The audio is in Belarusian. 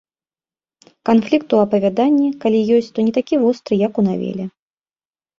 Канфлікт у апавяданні, калі ёсць, то не такі востры, як у навеле.